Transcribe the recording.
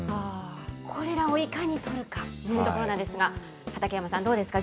これらをいかにとるかということなんですが、畠山さん、どうですか？